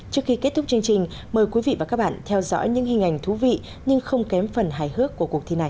trước khi kết thúc chương trình mời quý vị và các bạn theo dõi những hình ảnh thú vị nhưng không kém phần hài hước của cuộc thi này